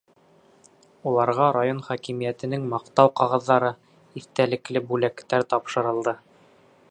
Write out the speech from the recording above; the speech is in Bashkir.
Уларға район хакимиәтенең маҡтау ҡағыҙҙары, иҫтәлекле бүләктәр тапшырылды.